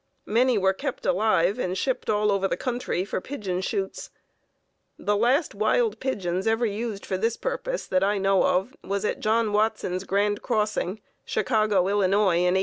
Many were kept alive and shipped all over the country for pigeon shoots. The last wild pigeons ever used for this purpose that I know of was at John Watson's Grand Grossing, Chicago, Illinois, in 1886.